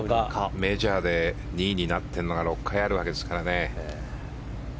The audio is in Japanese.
メジャーで２位になってるのが６回あるわけですからね。